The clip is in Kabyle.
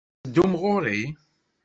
La d-tetteddumt ɣer-i?